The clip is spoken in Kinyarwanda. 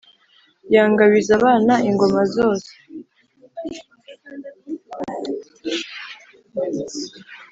yangabiza abana ingoma zose